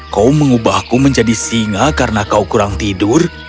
kau mengubahku menjadi singa karena kau kurang tidur